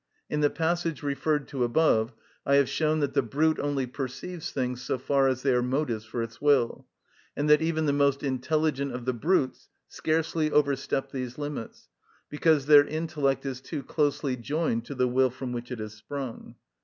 In the passage referred to above I have shown that the brute only perceives things so far as they are motives for its will, and that even the most intelligent of the brutes scarcely overstep these limits, because their intellect is too closely joined to the will from which it has sprung.